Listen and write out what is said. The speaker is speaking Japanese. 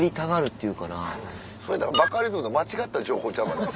それバカリズムの間違った情報ちゃうかな。